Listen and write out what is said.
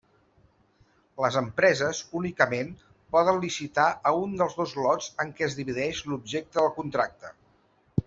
Les empreses únicament poden licitar a un dels dos lots en què es divideix l'objecte del contracte.